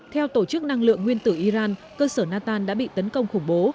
theo tổ chức năng lượng nguyên tử iran cơ sở natan đã bị tấn công khủng bố